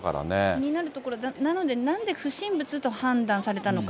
気になるところなので、なんで不審物と判断されたのか。